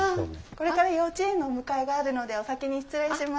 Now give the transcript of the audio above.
これから幼稚園のお迎えがあるのでお先に失礼します。